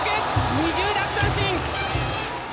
２０奪三振！